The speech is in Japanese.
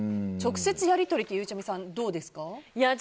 直接やり取りはゆうちゃみさん、どうですか？